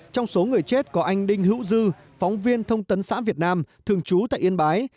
trong số người chết có anh đinh hữu dư phóng viên thông tấn xã việt nam thường trú tại yên bái